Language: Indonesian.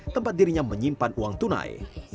tempat dirinya menyimpan uang tunai